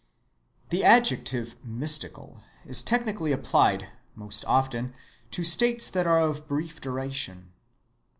The adjective "mystical" is technically applied, most often, to states that are of brief duration.